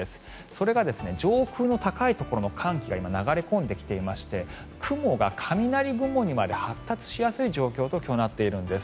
それが上空の高いところの寒気が今流れ込んできていまして雲が雷雲までに発達しやすい状況と今日、なっているんです。